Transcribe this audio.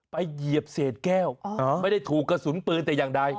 เหยียบเศษแก้วไม่ได้ถูกกระสุนปืนแต่อย่างใด